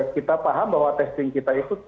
kita paham bahwa testing kita itu